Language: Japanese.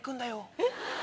えっ⁉